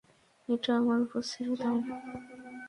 এটা আমার উপর ছেড়ে দাও।